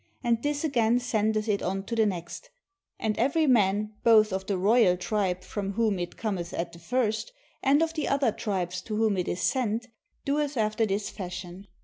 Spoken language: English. And this again sendeth it on to the next. And every man both of the royal tribe (from whom it cometh at the first) and of the other tribes to whom it is sent, doeth after this fashion.